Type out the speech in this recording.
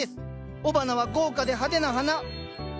雄花は豪華で派手な花。